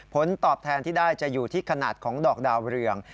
ผลตอบแทนที่ได้จะอยู่ที่ขนาดของดอกดาวเรือง